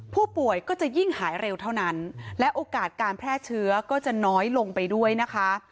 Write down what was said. ผู้ป่วยก็จะยิ่งหายเร็วเท่านั้นและโอกาสการแพร่เชื้อก็จะน้อยลงไปด้วยนะคะ